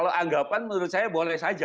kalau anggapan menurut saya boleh saja